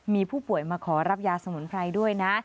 มีผู้ป่วยมาขอรับยาสมุนไพรด้วยนะ